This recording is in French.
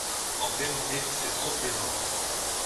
En vérité, c'est trop plaisant !